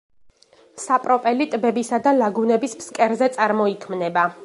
საპროპელი ტბებისა და ლაგუნების ფსკერზე წარმოიქმნება.